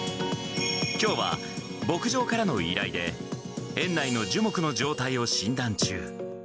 きょうは牧場からの依頼で、園内の樹木の状態を診断中。